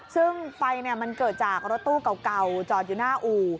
ซึ่งไฟมันเกิดจากรถตู้เก่าจอดอยู่หน้าอู่